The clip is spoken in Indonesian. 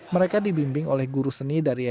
mereka dibimbing oleh guru seni dari